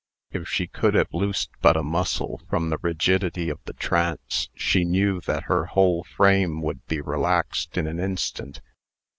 If she could have loosed but a muscle from the rigidity of the trance, she knew that her whole frame would be relaxed in an instant.